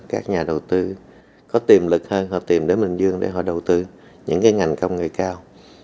các nhà đầu tư có tiềm lực hơn họ tìm đến bình dương để họ đầu tư những cái ngành công nghệ cao